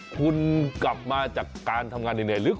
คุณกลับมาจากการทำงานในในหายลึก